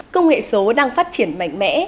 công nghệ số đang phát triển mạnh mẽ